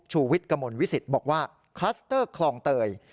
วิทย์กระมวลวิสิตบอกว่าคลัสเตอร์คลองเตย